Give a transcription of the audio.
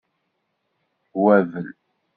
Wabel.